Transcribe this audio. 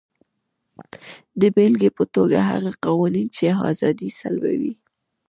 د بېلګې په توګه هغه قوانین چې ازادي سلبوي.